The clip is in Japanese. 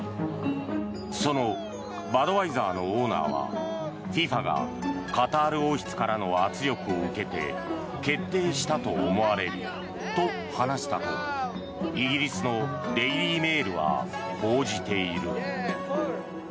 そのバドワイザーのオーナーはＦＩＦＡがカタール王室からの圧力を受けて決定したと思われると話したとイギリスのデイリー・メールは報じている。